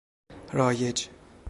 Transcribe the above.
رایج